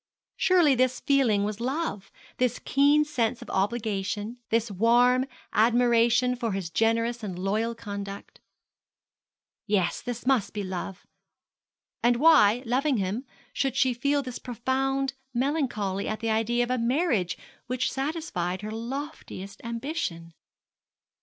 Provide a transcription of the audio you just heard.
Surely this feeling was love, this keen sense of obligation, this warm admiration for his generous and loyal conduct. Yes, this must be love. And why, loving him, should she feel this profound melancholy at the idea of a marriage which satisfied her loftiest ambition?